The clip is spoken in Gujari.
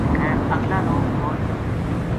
خیر ا گلا لوک فوج نے